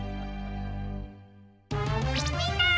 みんな！